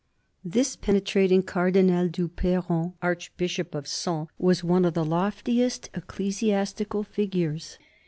This penetrating Cardinal du Perron, Archbishop of Sens, was one of the loftiest ecclesiastical figures of the time.